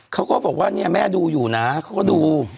เขาก็บอกว่าเนี่ยแม่ดูอยู่นะเขาก็ดู